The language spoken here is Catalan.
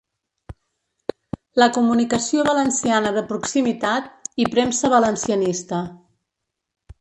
La comunicació valenciana de proximitat’ i ‘Premsa valencianista.